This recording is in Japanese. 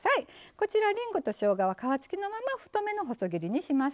こちらりんごとしょうがは皮付きのまま太めの細切りにします。